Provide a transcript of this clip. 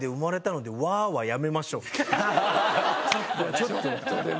ちょっとね。